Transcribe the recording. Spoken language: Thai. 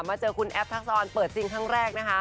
เจอคุณแอฟทักษรเปิดจริงครั้งแรกนะคะ